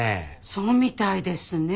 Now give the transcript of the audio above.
そうみたいですね。